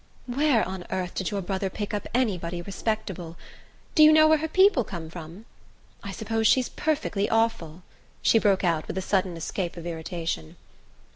"Where on earth did your brother pick up anybody respectable? Do you know where her people come from? I suppose she's perfectly awful," she broke out with a sudden escape of irritation.